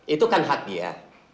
itu kan hak dia